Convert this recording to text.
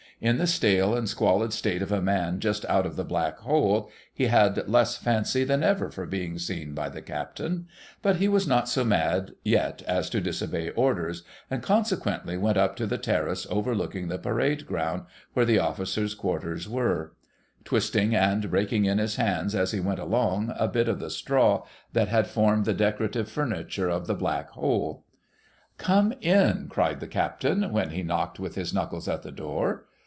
In the stale and squalid state of a man just out of the Black hole, he had less fancy than ever for being seen by the Captain ; but he was not so mad yet as to disobey orders, and consequently went up to the terrace overlooking the parade ground, where the officers' quarters were ; twisting and breaking in his hands, as he went along, a bit of the straw that had formed the decorative furniture of the Black hole. ' Come in !' cried the Captain, when he knocked with his knuckles at the door.